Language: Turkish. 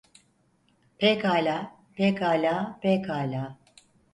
Pekala, pekala, pekala.